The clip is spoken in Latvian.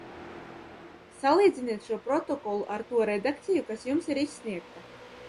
Salīdziniet šo protokolu ar to redakciju, kas jums ir izsniegta.